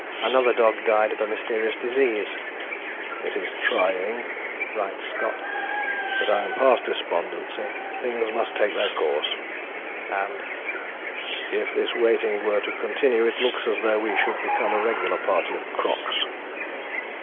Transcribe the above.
Another dog died of a mysterious disease. "It is trying," writes Scott, "but I am past despondency. Things must take their course." And "if this waiting were to continue it looks as though we should become a regular party of 'crocks.'"